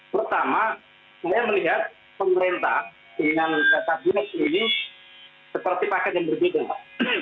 pertama saya melihat pemerintah dengan kabinet ini seperti paket yang berbeda mbak